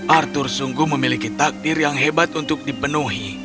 arthur sungguh memiliki takdir yang hebat untuk dipenuhi